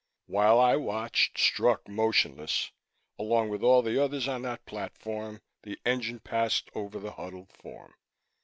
While I watched, struck motionless, along with all the others on that platform, the engine passed over the huddled form.